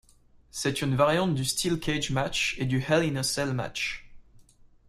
C'est une variante du Steel Cage match et du Hell in a Cell match.